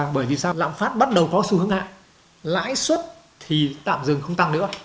bởi vì sao lãng phát bắt đầu có sự hướng hạng lãi xuất thì tạm dừng không tăng nữa